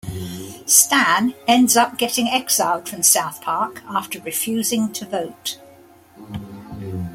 Stan ends up getting exiled from South Park after refusing to vote.